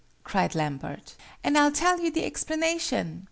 cried Lambert. "And I'll tell you the explanation.